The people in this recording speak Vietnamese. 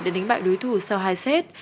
để đánh bại đối thủ sau hai xét